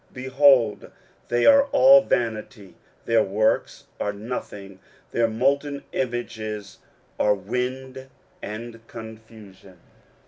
23:041:029 Behold, they are all vanity; their works are nothing: their molten images are wind and confusion.